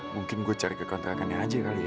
mungkin gue cari ke kontrakannya aja kali ya